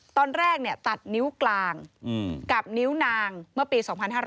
ตอนแรกตัดนิ้วกลางกับนิ้วนางเมื่อปี๒๕๕๙